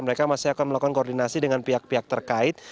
mereka masih akan melakukan koordinasi dengan pihak pihak terkait